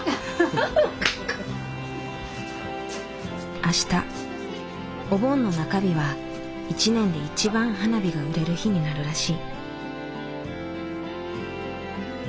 明日お盆の中日は一年で一番花火が売れる日になるらしい。